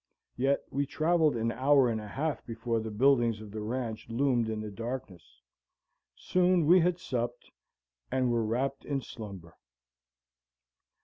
Yet we traveled an hour and a half before the buildings of the ranch loomed in the darkness. Soon we had supped, and were wrapped in slumber.